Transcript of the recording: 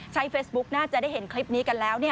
ใช้เฟสบุ๊คน่าจะได้เห็นคลิปนี้กันแล้วเนี่ย